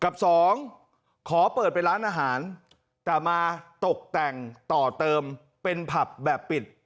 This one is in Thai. กับสองขอเปิดเป็นร้านอาหารแต่มาตกแต่งต่อเติมเป็นผับแบบปิด